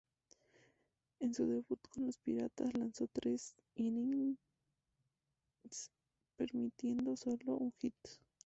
En su debut con los Piratas, lanzó tres innings permitiendo sólo un hit.